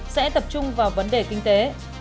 sẽ tập trung vào vấn đề kinh tế